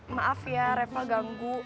maaf ya repa ganggu